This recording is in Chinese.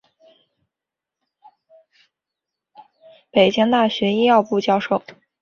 北京大学医学部教授。